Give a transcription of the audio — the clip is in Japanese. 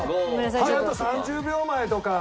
あと３０秒前とか。